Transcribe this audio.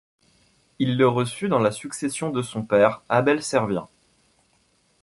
Il le reçut dans la succession de son père, Abel Servien.